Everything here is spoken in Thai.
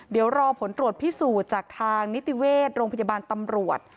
เดี๋ยวรอผลตรวจพิสูจน์จากทางนิติเวชโรงพยาบาลตำรวจ